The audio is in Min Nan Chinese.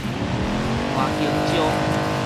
爛弓蕉